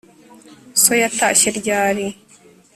So yatashye ryari